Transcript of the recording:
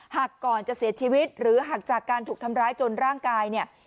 ก่อนจะเสียชีวิตหรือหักจากการถูกทำร้ายจนร่างกายเนี่ย